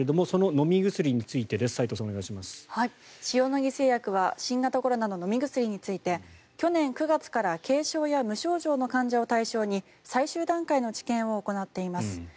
塩野義製薬は新型コロナの飲み薬について去年９月から軽症や無症状の患者を対象に最終段階の治験を行っています。